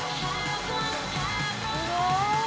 すごーい！